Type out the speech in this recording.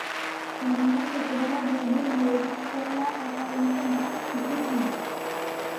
সোনিয়া ছোটবেলায় বুলবুল ললিতকলা একাডেমিতে নাচ শিখেছেন।